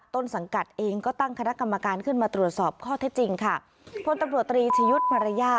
ต้นสังกัดเองก็ตั้งคณะกรรมการขึ้นมาตรวจสอบข้อที่จริงค่ะ